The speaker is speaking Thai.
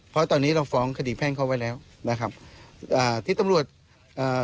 เพราะตอนนี้เราฟ้องคดีแพ่งเขาไว้แล้วนะครับอ่าที่ตำรวจอ่า